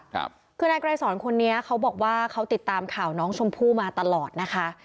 ครับคือนายไกรสอนคนนี้เขาบอกว่าเขาติดตามข่าวน้องชมพู่มาตลอดนะคะ